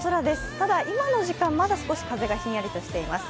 ただ今の時間まだ風が少しひんやりとしています。